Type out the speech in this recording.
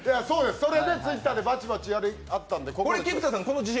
それでＴｗｉｔｔｅｒでバチバチやり合ったので。